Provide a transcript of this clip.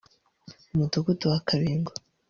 Umudugudu wa Kabingo